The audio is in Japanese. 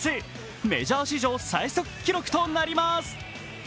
メジャー史上最速記録となります。